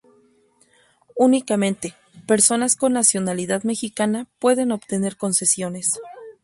Únicamente, personas con nacionalidad mexicana pueden obtener concesiones.